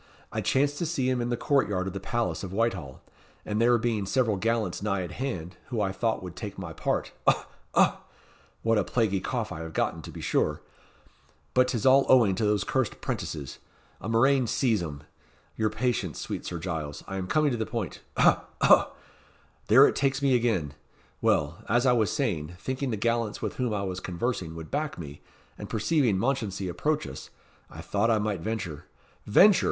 I chanced to see him in the court yard of the palace of Whitehall, and there being several gallants nigh at hand, who I thought would take my part ough! ough! what a plaguey cough I have gotten, to be sure; but 't is all owing to those cursed 'prentices a murrain seize 'em! Your patience, sweet Sir Giles, I am coming to the point ough! ough! there it takes me again. Well, as I was saying, thinking the gallants with whom I was conversing would back me, and perceiving Mounchensey approach us, I thought I might venture" "Venture!"